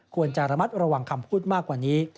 ควรจะระมัดระวังคำพูดมากกว่านี้